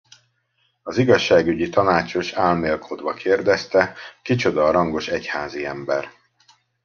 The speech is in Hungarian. Az igazságügyi tanácsos álmélkodva kérdezte, kicsoda a rangos egyházi ember.